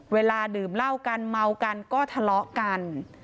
เวลาดื่มเหล้ากันเมากันก็ทะเลาะกัน